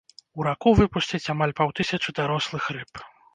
У раку выпусцяць амаль паўтысячы дарослых рыб.